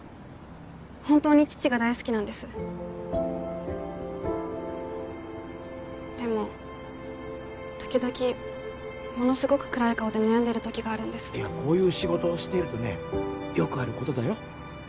本当に父が大好きなんですでも時々ものすごく暗い顔で悩んでる時があるんですこういう仕事をしているとねよくあることだよ